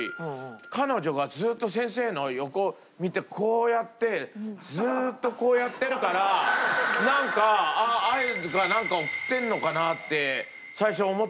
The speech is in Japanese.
彼女がずっと先生の横見てこうやってずっとこうやってるからなんか合図かなんか送ってるのかなって最初思ってたんですよ。